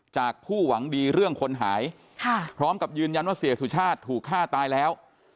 ผู้หวังดีเรื่องคนหายพร้อมกับยืนยันว่าเสียสุชาติถูกฆ่าตายแล้ว